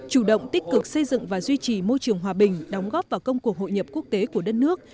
chủ động tích cực xây dựng và duy trì môi trường hòa bình đóng góp vào công cuộc hội nhập quốc tế của đất nước